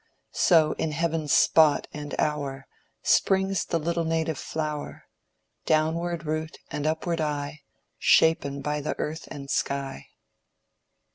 So in heaven's spot and hour Springs the little native flower, Downward root and upward eye, Shapen by the earth and sky.